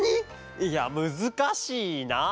いやむずかしいな。